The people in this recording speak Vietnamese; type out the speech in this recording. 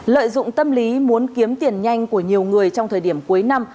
lợi dụng tâm lý muốn kiếm tiền nhanh của nhiều người trong thời điểm cuối năm